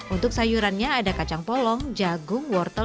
untuk sayurannya ada kacang polong jagung wortel